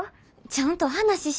ちゃんと話しな。